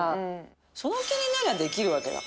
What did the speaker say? その気になりゃできるわけだからさ。